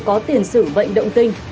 có tiền xử bệnh động tinh